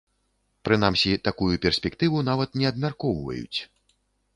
Прынамсі, такую перспектыву нават не абмяркоўваюць.